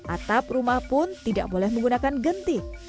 atap rumah pun tidak boleh menggunakan genting